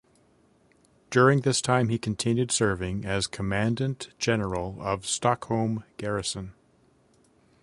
During this time he continued serving as Commandant General of Stockholm Garrison.